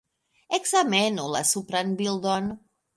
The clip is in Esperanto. Ekzamenu la supran bildon.